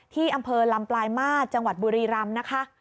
ที่อำเภอลำปลายมาตรจังหวัดบุรีรำนะคะ